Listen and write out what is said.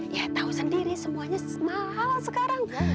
ya tahu sendiri semuanya mahal sekarang